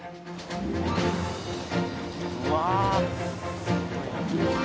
うわ。